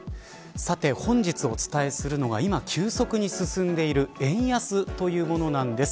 さて、本日お伝えするのは今、急速に進んでいる円安というものなんです。